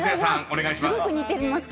お願いします］